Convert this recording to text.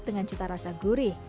dengan cita rasa gurih